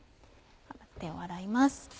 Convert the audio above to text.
手を洗います。